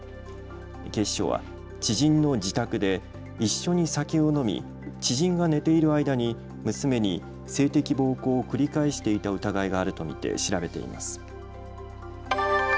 警視庁は知人の自宅で一緒に酒を飲み、知人が寝ている間に娘に性的暴行を繰り返していた疑いがあると見て調べています。